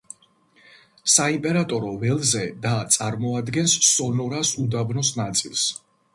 საიმპერატორო ველზე და წარმოადგენს სონორას უდაბნოს ნაწილს.